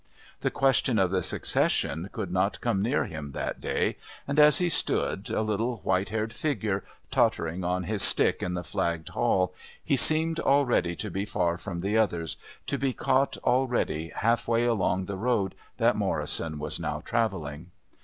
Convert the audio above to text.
The question of the succession could not come near him that day, and as he stood, a little white haired figure, tottering on his stick in the flagged hall, he seemed already to be far from the others, to be caught already half way along the road that Morrison was now travelling.